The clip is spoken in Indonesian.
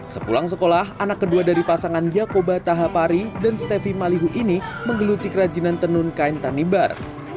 sepulang sekolah anak kedua dari pasangan yaakoba tahapari dan stefi malihu ini menggeluti kerajinan tenun kain tanibar